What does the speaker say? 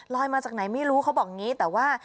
ลอยมาจากไหนไม่รู้เขาบอกงี้แต่ว่า